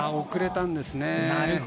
遅れたんですね。